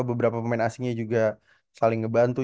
beberapa pemain asingnya juga saling ngebantu